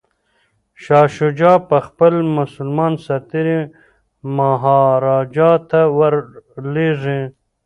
شاه شجاع به خپل مسلمان سرتیري مهاراجا ته ور لیږي.